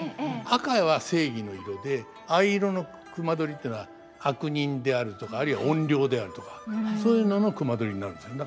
赤は正義の色で藍色の隈取っていうのは悪人であるとかあるいは怨霊であるとかそういうのの隈取になるんですね。